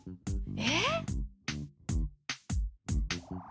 えっ？